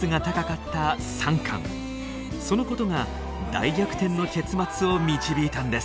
そのことが大逆転の結末を導いたんです。